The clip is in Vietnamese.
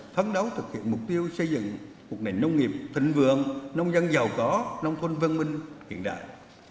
phán đấu thực hiện mục tiêu xây dựng một nền nông nghiệp thịnh vượng nông dân giàu có nông thôn văn minh hiện đại